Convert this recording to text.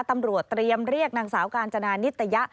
ตำรวจเตรียมเรียกนางสาวกาญจนานิตยะ